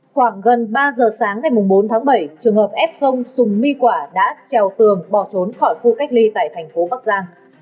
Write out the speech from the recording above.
khoảng gần ba giờ sáng ngày bốn tháng bảy trường hợp f sùng my quả đã treo tường bỏ trốn khỏi khu cách ly tại thành phố bắc giang